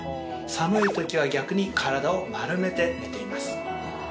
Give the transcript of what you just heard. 寒いときは逆に体を丸めて寝ています。